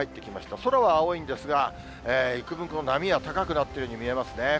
空は青いんですが、いくぶん、この波が高くなっているように見えますね。